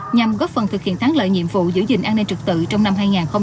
nhằm góp phần thực hiện thắng lợi nhiệm vụ giữ gìn an ninh trật tự trong năm hai nghìn hai mươi bốn